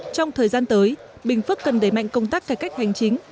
trong thời gian tới bình phước cần đẩy mạnh công tác cải cách hành chính